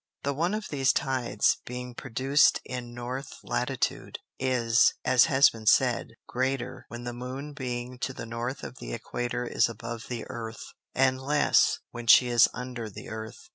The one of these Tides, being produc'd in North Latitude, is, as has been said, greater, when the Moon being to the North of the Equator is above the Earth, and less when she is under the Earth.